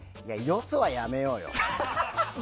よそはやめようよ。